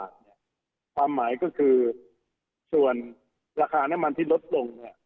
ความหมายก็คือส่วนราคาน้ำมันที่ลดลงเนี่ย